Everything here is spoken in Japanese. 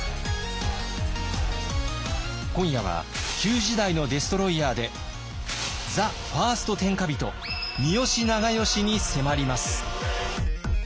今夜は旧時代のデストロイヤーでザ・ファースト・天下人三好長慶に迫ります。